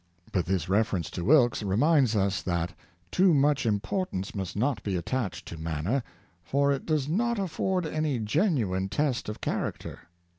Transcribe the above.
But this reference to Wilkes reminds us that too much importance must not be at tached to manner, for it does not afford any genuine test of character.